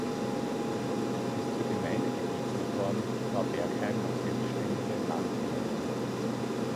Bis zur Gemeindegebietsreform war Bergheim noch selbstständige Landgemeinde.